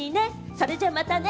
それじゃあ、またね。